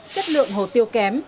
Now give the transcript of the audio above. chất lượng hồ tiêu kém